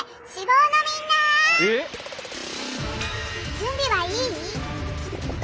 準備はいい？